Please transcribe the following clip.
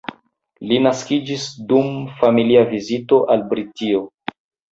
Li naskiĝis dum familia vizito al Britio.